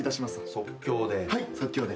即興で。